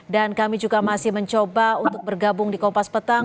dan kami juga masih mencoba untuk bergabung di kompas petang